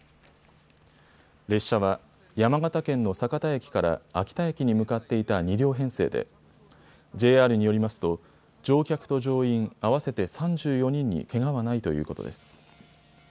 列車は山形県の酒田駅から秋田駅に向かっていた２両編成でＪＲによりますと乗客と乗員合わせて３４人にけがはないということです。